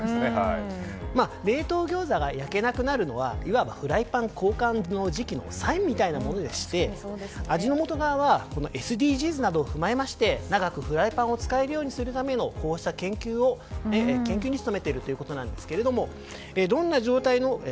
冷凍ギョーザが焼けなくなるのはいわばフライパン交換の時期のサインみたいなものでして味の素側はＳＤＧｓなどを踏まえまして長くフライパンを使えるようにするためのこうした研究に努めているということです。